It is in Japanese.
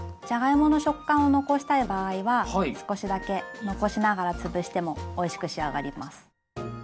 じゃがいもの食感を残したい場合は少しだけ残しながら潰してもおいしく仕上がります。